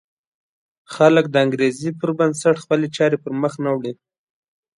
خلک د انګېزې پر بنسټ خپلې چارې پر مخ نه وړي.